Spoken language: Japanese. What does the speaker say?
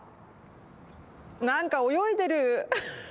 なんか泳いでる！